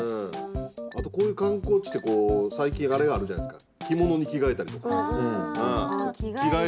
あとこういう観光地って最近あれがあるじゃないですか。